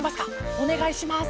おねがいします。